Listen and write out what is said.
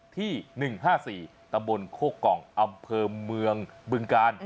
ที่หนึ่งห้าสี่ตะบลโคกองอำเภอเมืองบึงกาล